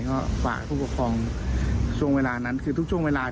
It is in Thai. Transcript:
ก็ฝากผู้ปกครองช่วงเวลานั้นคือทุกช่วงเวลา